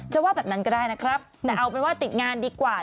ว่าแบบนั้นก็ได้นะครับแต่เอาเป็นว่าติดงานดีกว่า